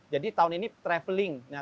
jadi tahun ini traveling